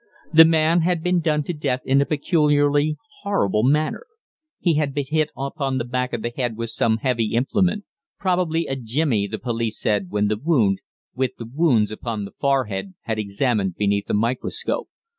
The man had been done to death in a peculiarly horrible manner. He had been hit upon the back of the head with some heavy implement probably a "jemmy" the police said when the wound, with the wounds upon the forehead, had been examined beneath a microscope.